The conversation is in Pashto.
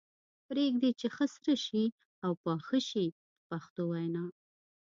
پرېږدي یې چې ښه سره شي او پاخه شي په پښتو وینا.